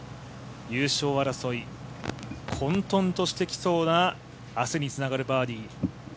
優勝争い、混とんとしてきそうな明日につながるバーディー